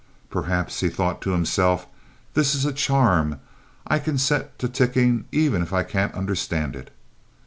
"Perhaps," he thought to himself, "this is a charm I can set to ticking even if I can't understand it."